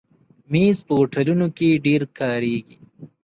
مېز په هوټلونو کې ډېر کارېږي.